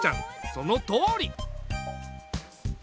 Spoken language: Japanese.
そのとおり！